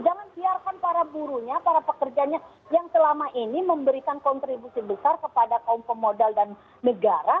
jangan biarkan para burunya para pekerjanya yang selama ini memberikan kontribusi besar kepada kaum pemodal dan negara